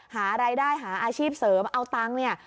หารายได้หาอาชีพเสริมเอาตังค์เนี่ย